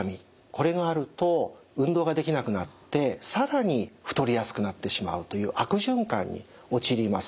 これがあると運動ができなくなって更に太りやすくなってしまうという悪循環に陥ります。